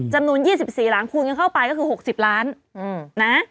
จำนวน๒๔หลังคูณกันเข้าไปก็คือ๖๐ล้านนะ